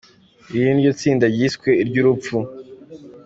Iri niryo tsinda ryiswe iryo urupfu.